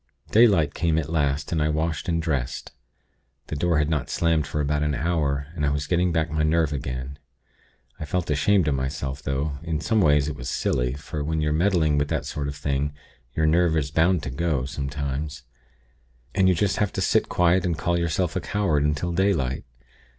"Daylight came at last, and I washed and dressed. The door had not slammed for about an hour, and I was getting back my nerve again. I felt ashamed of myself; though, in some ways it was silly; for when you're meddling with that sort of thing, your nerve is bound to go, sometimes. And you just have to sit quiet and call yourself a coward until daylight.